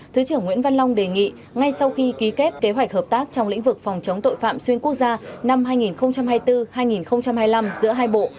thứ trưởng nguyễn văn long đề nghị ngay sau khi ký kết kế hoạch hợp tác trong lĩnh vực phòng chống tội phạm xuyên quốc gia năm hai nghìn hai mươi bốn hai nghìn hai mươi năm giữa hai bộ